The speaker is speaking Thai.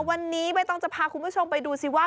วันนี้ใบตองจะพาคุณผู้ชมไปดูสิว่า